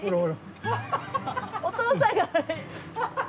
お父さんが。